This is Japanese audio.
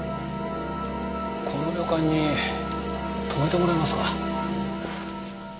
この旅館に泊めてもらえますか？